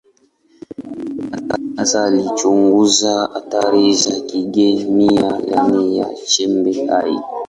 Hasa alichunguza athari za kikemia ndani ya chembe hai.